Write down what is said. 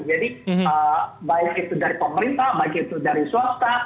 jadi baik itu dari pemerintah baik itu dari swasta